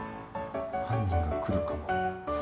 犯人が来るかも。